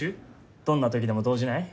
どんな時でも動じない？